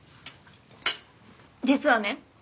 実はね